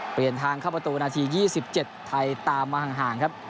เปลี่ยนทางเข้าประตูหน้าทียี่สิบเจ็ดไทยตามมาห่างครับ